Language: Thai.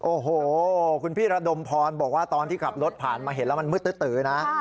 โอ้โหคุณพี่ระดมพรบอกว่าตอนที่ขับรถผ่านมาเห็นแล้วมันมืดตื้อนะ